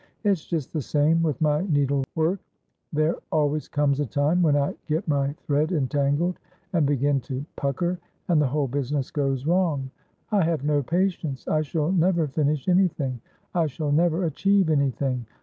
It's just the same with my needlework ; there always comes a time when I get my thread entangled, and begin to pucker, and the whole business goes wrong. I have no patience. I shall ntvcr finish anything. I shall never achieve anything.